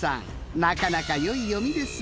なかなかよい読みですねぇ。